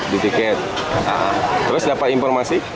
sembilan tiga puluh di tiket terus dapat informasi